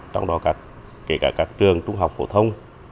trong đó kể cả các trường trung học phổ thông